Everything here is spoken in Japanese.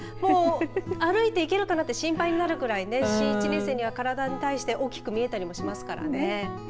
歩いていけるかなって心配になるくらい体に対して大きく見えたりしますからね。